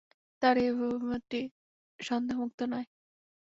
তার এ অভিমতটি সন্দেহমুক্ত নয়।